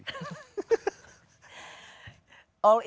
all england tau tanggal berapa